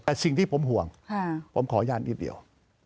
แต่สิ่งที่ผมห่วงผมขออนุญาตนิดเดียว